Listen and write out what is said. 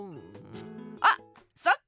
あそっか！